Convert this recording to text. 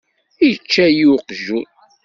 Ičča-yi uqjun.